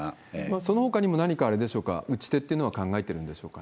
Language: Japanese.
そのほかにも何かあれでしょうか、打ち手っていうのは考えてるんでしょうかね？